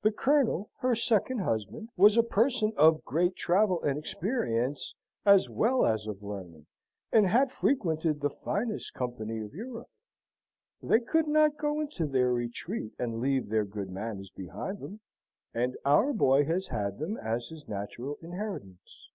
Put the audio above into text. The Colonel, her second husband, was a person of great travel and experience, as well as of learning, and had frequented the finest company of Europe. They could not go into their retreat and leave their good manners behind them, and our boy has had them as his natural inheritance."